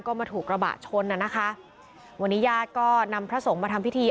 ก็มาถูกกระบะชนอ่ะนะคะวันนี้ญาติก็นำพระสงฆ์มาทำพิธี